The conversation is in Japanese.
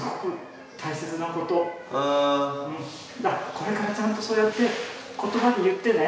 これからちゃんとそうやって言葉で言ってね。